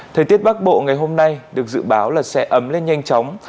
thời tiết bắc bộ ngày hôm nay được dự báo là sẽ ấm lên nhanh chóng